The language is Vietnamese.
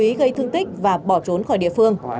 cố ý gây thương tích và bỏ trốn khỏi địa phương